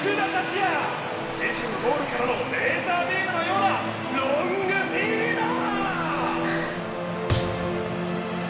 自陣ゴールからのレーザービームのようなロングフィード！